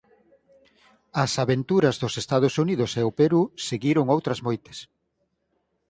Ás "aventuras" dos Estados Unidos e o Perú seguiron outras moitas.